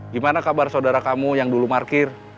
gimana kabar saudara kamu yang dulu markir